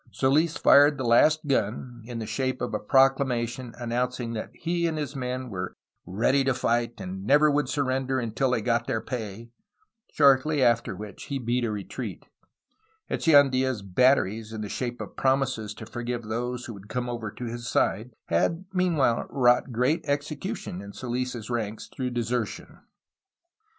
Soils fired the last gun, in the shape of a proclamation announcing that he and his men were "ready to fight and never would surrender until they got their pay," shortly after which he beat a retreat. Echeandla' s "batteries," in the shape of promises to forgive those who would come over to his side, had meanwliile wrought great execution in Soils' ranks through desertion.